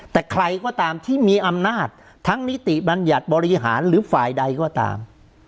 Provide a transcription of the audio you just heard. แต่ใครก็ตามที่มีอำนาจทั้งนิติบัญญัติบริหารหรือฝ่ายใดก็ตาม